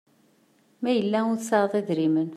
Ma yella ur tesɛiḍ idrimen